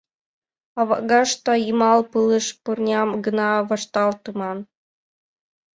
Авагашта йымал пылыш пырням гына вашталтыман.